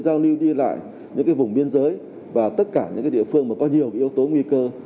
giao lưu đi lại những vùng biên giới và tất cả những địa phương mà có nhiều yếu tố nguy cơ